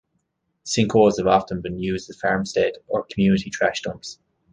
Sinkholes have often been used as farmstead or community trash dumps.